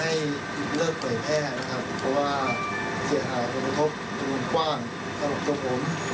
ขอให้เลิกปล่อยแพร่นะครับเพราะว่าเสียหาประทบกว้างสำหรับผม